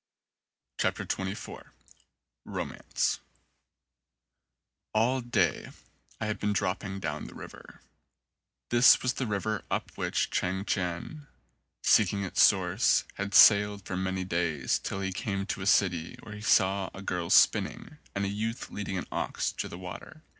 93 XXIV ROMANCE ALL day I had been dropping down the river. This was the river up which Chang Chien, seeking its source, had sailed for many days till he came to a city where he saw a girl spinning and a youth leading an ox to the water.